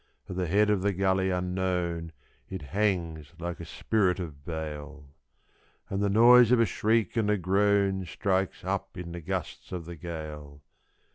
At the head of the gully unknown it hangs like a spirit of bale. And the noise of a shriek and a groan strikes up in the gusts of the gale.